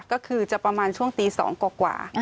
ก็คือจะประมาณช่วงตี๒กว่า